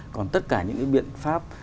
còn tất cả những biện pháp